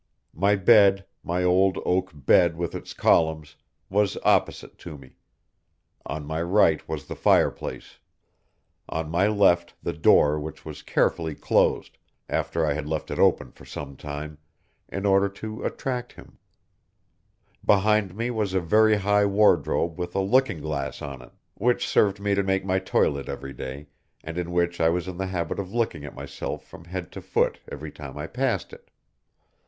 My bed, my old oak bed with its columns, was opposite to me; on my right was the fireplace; on my left the door which was carefully closed, after I had left it open for some time, in order to attract him; behind me was a very high wardrobe with a looking glass in it, which served me to make my toilet every day, and in which I was in the habit of looking at myself from head to foot every time I passed it.